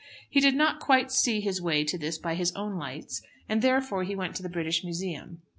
He did not quite see his way to this by his own lights, and therefore he went to the British Museum.